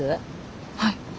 はい。